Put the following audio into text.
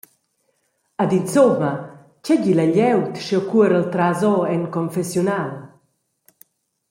Ed insumma, tgei di la glieud sch’jeu cuorel trasora en confessiunal?»